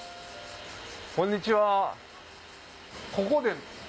こんにちは。